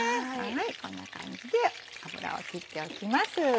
こんな感じで油を切っておきます。